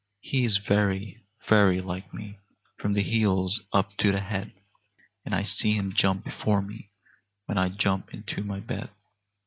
He is very, very like me from the heels up to the head; And I see him jump before me, when I jump into my bed.